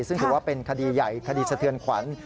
ซึ่งถือว่าเป็นคดีใหญ่คดีสะเทือนขวัญ